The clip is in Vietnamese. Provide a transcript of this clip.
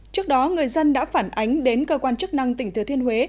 trước đó người dân đã phản ánh đến cơ quan chức năng tỉnh thừa thiên huế